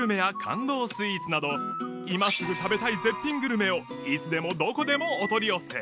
スイーツなど今すぐ食べたい絶品グルメをいつでもどこでもお取り寄せ